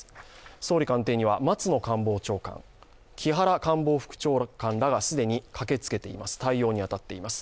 総理官邸には松野官房長官、木原官房副長官らが既に駆けつけています、対応に当たっています。